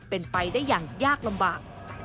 เป็นไปได้อย่างยากลำบาก